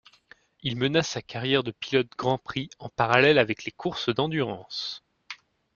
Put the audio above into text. Il mena sa carrière de pilote Grand Prix en parallèle avec les courses d'endurance.